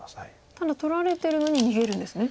ただ取られてるのに逃げるんですね。